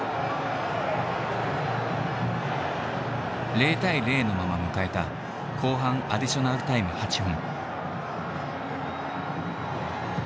０対０のまま迎えた後半アディショナルタイム８分。